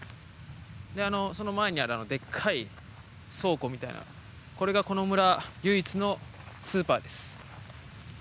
その前にあるでっかい倉庫みたいなのこれが、この村唯一のスーパーです。